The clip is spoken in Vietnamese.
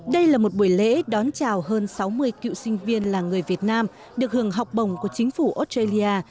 đây là một buổi lễ đón chào hơn sáu mươi cựu sinh viên là người việt nam được hưởng học bổng của chính phủ australia